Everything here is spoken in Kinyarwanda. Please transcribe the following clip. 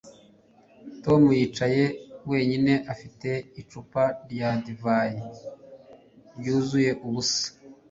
Tom yicaye wenyine afite icupa rya divayi ryuzuye ubusa